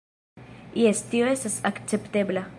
- Jes, tio estas akceptebla